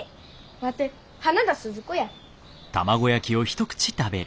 ワテ花田鈴子や。